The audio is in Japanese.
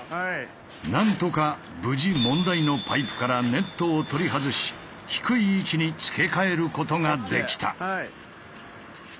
なんとか無事問題のパイプからネットを取り外し低い位置に付け替えることができた。